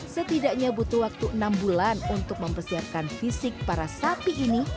setidaknya butuh waktu enam bulan untuk membesarkan fisik para sapi ini